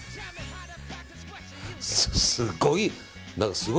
すごい。